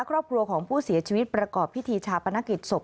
ครอบครัวของผู้เสียชีวิตประกอบพิธีชาปนกิจศพ